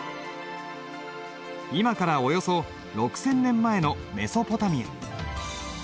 今からおよそ６，０００年前のメソポタミア。